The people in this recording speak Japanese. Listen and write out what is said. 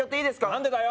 何でだよ